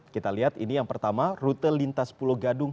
kita lihat ini yang pertama rute lintas pulau gadung